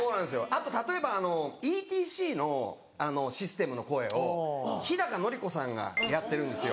あと例えばＥＴＣのシステムの声を日のり子さんがやってるんですよ。